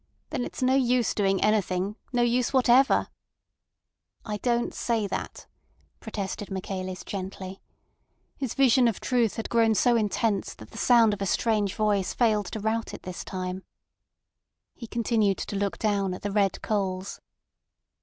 "Then it's no use doing anything—no use whatever." "I don't say that," protested Michaelis gently. His vision of truth had grown so intense that the sound of a strange voice failed to rout it this time. He continued to look down at the red coals.